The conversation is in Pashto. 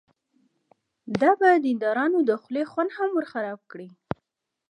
دا به د دیندارانو د خولې خوند هم ورخراب کړي.